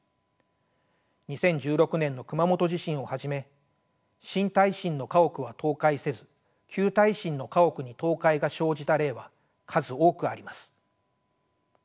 ２０１６年の熊本地震をはじめ新耐震の家屋は倒壊せず旧耐震の家屋に倒壊が生じた例は数多くあります。